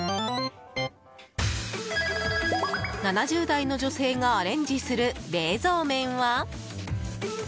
７０代の女性がアレンジする冷蔵麺は。